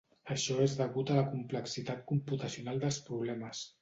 Això és degut a la complexitat computacional dels problemes.